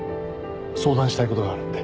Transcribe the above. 相談したい事があるって。